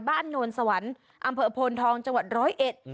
นวลสวรรค์อำเภอโพนทองจังหวัดร้อยเอ็ด